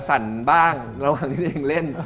สั่นบ้างระหว่างที่ตัวเองเล่น